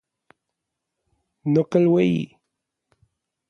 Nokal ueyi.